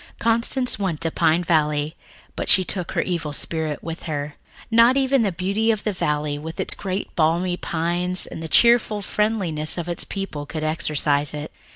Constance went to Pine Valley, but she took her evil spirit with her. Not even the beauty of the valley, with its great balmy pines, and the cheerful friendliness of its people could exorcise it.